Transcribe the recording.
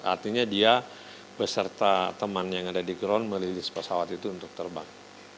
artinya dia beserta teman yang ada di ground merilis pesawat itu untuk terbang